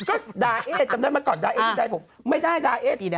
ก็ดาเอ๊ดจำได้มาก่อนดาเอ๊ดพี่ดาให้ผมไม่ได้ดาเอ๊ด